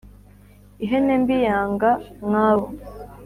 Ihene mbi yanga mwabo.